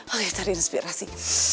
oke cari inspirasi